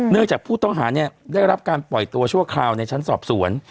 จากผู้ต้องหาเนี่ยได้รับการปล่อยตัวชั่วคราวในชั้นสอบสวน